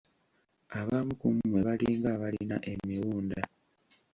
Abamu ku mmwe balinga abalina emiwunda.